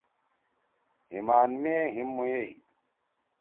ہیِمان مے ھیم مویئ